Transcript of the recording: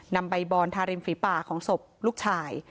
นำใบบอนทาริมฝีป่าของศพลูกชาย